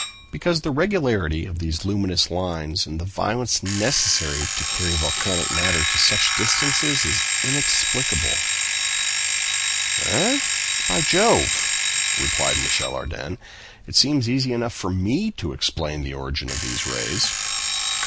"Because the regularity of these luminous lines, and the violence necessary to carry volcanic matter to such distances, is inexplicable." "Eh! by Jove!" replied Michel Ardan, "it seems easy enough to me to explain the origin of these rays."